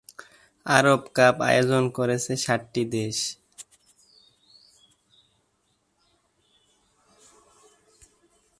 আরব cup আয়োজন করেছে সাতটি দেশ।